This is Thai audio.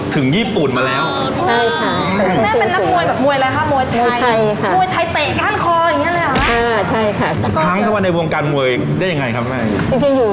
เป็นนักมวยมาก่อนแล้วอย่างบอกไม่ใช่เป็นเล่น